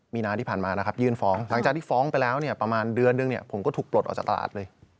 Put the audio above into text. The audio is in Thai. มีนาที่ผ่านมานะครับยื่นฟ้องหลังจากที่ฟ้องไปแล้วเนี่ยประมาณเดือนนึงเนี่ยผมก็ถูกปลดออกจากตลาดเลย